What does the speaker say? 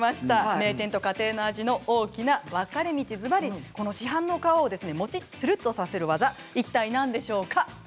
名店と家庭の味の大きな分かれ道ずばり市販の皮を、よりもちっ、つるっとさせる技何でしょうか。